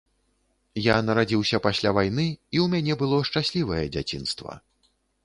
Я нарадзіўся пасля вайны, і ў мяне было шчаслівае дзяцінства.